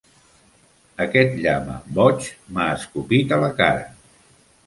Aquest llama boig m'ha escopit a la cara.